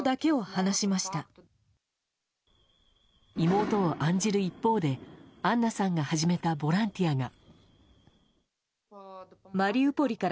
妹を案じる一方でアンナさんが始めたボランティアが。